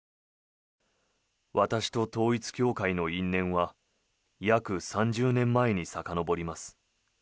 私と統一教会の因縁は約３０年前にさかのぼります。